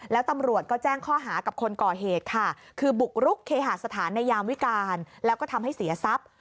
แล้วตำรวจก็แจ้งข้อหากับคนก่อเหตุค่ะคือบุกรุกเคหาสถานในยามวิการแล้วก็ทำให้เสียทรัพย์